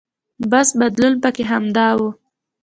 بس بدلون پکې همدا و.